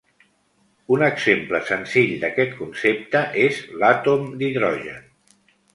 Un exemple senzill d'aquest concepte és l'àtom d'hidrogen.